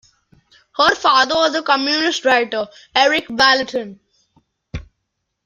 Her father was the communist writer, Erich Vallentin.